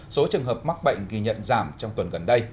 số trường hợp mắc bệnh ghi nhận giảm trong tuần gần đây